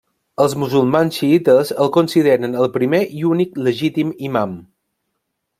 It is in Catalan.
Els musulmans xiïtes el consideren el primer i únic legítim imam.